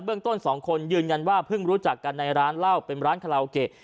ต้นสองคนยืนยันว่าเพิ่งรู้จักกันในร้านเหล้าเป็นร้านคาราโอเกะ